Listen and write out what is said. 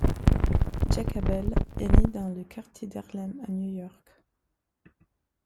Jack Abel est né le dans le quartier d'Harlem à New York.